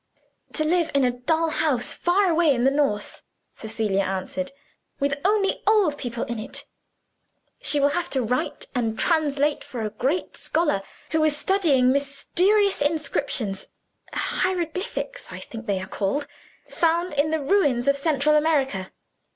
"To live in a dull house, far away in the north," Cecilia answered; "with only old people in it. She will have to write and translate for a great scholar, who is studying mysterious inscriptions hieroglyphics, I think they are called found among the ruins of Central America.